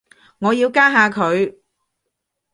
我要加下佢